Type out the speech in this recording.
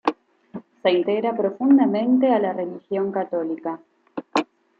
Se integra profundamente a la religión católica.